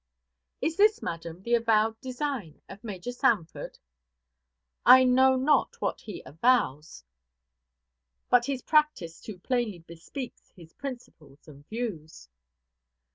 "Is this, madam, the avowed design of Major Sanford?" "I know not what he avows, but his practice too plainly bespeaks his principles and views."